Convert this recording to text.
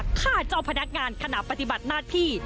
ฆ่าเจ้าพนักงานขณะปฏิบัติหน้าที่